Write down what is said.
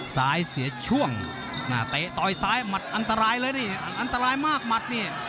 เสียช่วงเตะต่อยซ้ายหมัดอันตรายเลยนี่อันตรายมากหมัดนี่